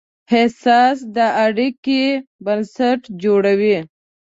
احساس د اړیکې بنسټ جوړوي.